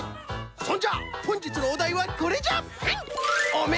そんじゃほんじつのおだいはこれじゃ！